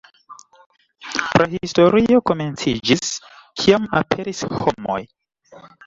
Prahistorio komenciĝis, kiam "aperis" homoj.